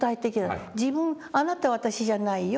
自分「あなたは私じゃないよ